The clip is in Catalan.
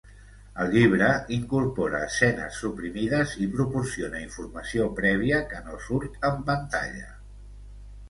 El llibre incorpora escenes suprimides i proporciona informació prèvia que no surt en pantalla.